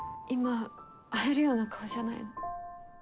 今会えるような顔じゃないの。